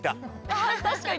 あ確かに。